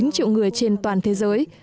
chín triệu người trên toàn thế giới